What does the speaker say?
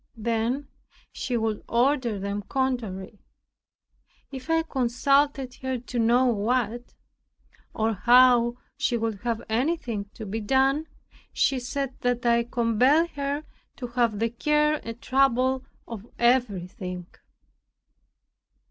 Then she would order them contrary. If I consulted her to know what, or how she would have anything to be done, she said that I compelled her to have the care and trouble of everything.